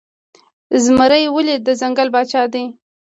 زمری ولې د ځنګل پاچا دی؟